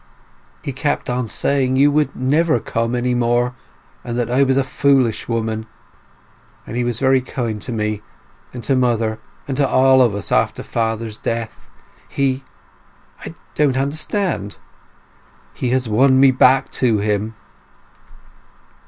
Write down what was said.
He kept on saying you would never come any more, and that I was a foolish woman. He was very kind to me, and to mother, and to all of us after father's death. He—" "I don't understand." "He has won me back to him."